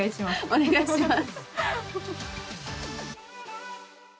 お願いします。